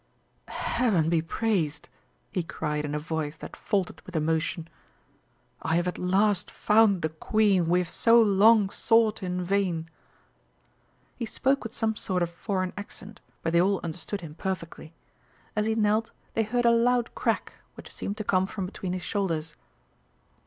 "Heaven be praised!" he cried in a voice that faltered with emotion, "I have at last found the Queen we have so long sought in vain!" He spoke with some sort of foreign accent, but they all understood him perfectly. As he knelt they heard a loud crack which seemed to come from between his shoulders.